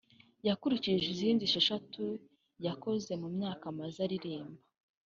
yakurikije izindi esheshatu yakoze mu myaka amaze aririmba